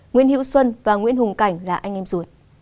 nguyễn hữu xuân và nguyễn hùng cảnh là anh em ruột